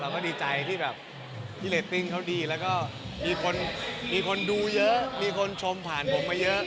เราก็ดีใจที่เล็ตติ้งเขาดีแล้วก็มีคนดูเยอะมีคนชมผ่านผมมาเยอะ